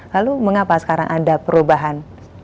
lalu mengapa sekarang ada perubahan